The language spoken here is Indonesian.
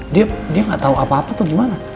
dia nggak tahu apa apa atau gimana